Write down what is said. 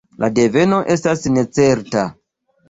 La deveno estas necerta.